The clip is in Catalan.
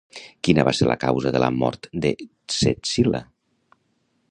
Quina va ser la causa de la mort de Ctesil·la?